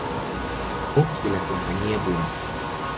Box de la compañía Boom!